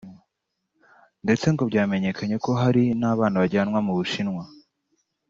ndeste ngo byamenyekanye ko hari n’abana bajyanwa mu Bushinwa